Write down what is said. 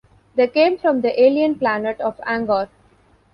They came from the alien planet of Angor.